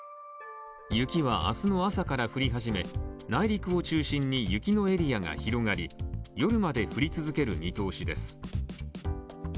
雪は明日の朝から降り始め、内陸を中心に雪のエリアが広がり、夜まで降り続ける見通しです。